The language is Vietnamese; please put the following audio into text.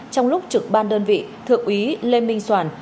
trong lúc trực ban đơn vị thượng úy lê minh soản